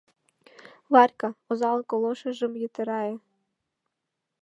- Варька, озалан колошыжым йытырае!